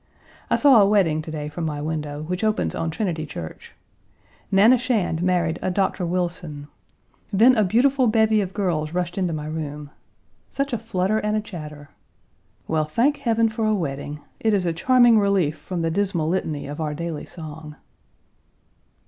I saw a wedding to day from my window, which opens on Trinity Church. Nanna Shand married a Doctor Wilson. Then, a beautiful bevy of girls rushed into my room. Such a flutter and a chatter. Well, thank Heaven for a wedding. It is a charming relief from the dismal litany of our daily song.